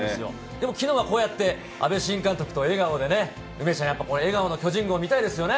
でも、きのうはこうやって、阿部新監督と笑顔で、梅ちゃん、やっぱり笑顔の巨人軍を見たいですよね。